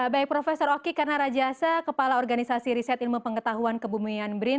baik prof oki karena rajasa kepala organisasi riset ilmu pengetahuan kebumian brin